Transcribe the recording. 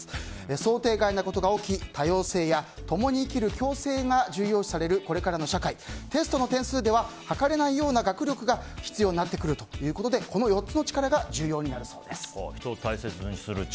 想定外なことが起き、多様性や共に生きる共生が重要視されるこれからの社会テストの点数では測れないような学力が必要になってくるということでこの４つの力が人を大切にする力